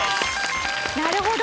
なるほど！